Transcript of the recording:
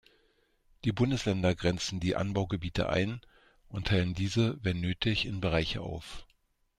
Die Bundesländer grenzen die "Anbaugebiete" ein und teilen diese wenn nötig in "Bereiche" auf.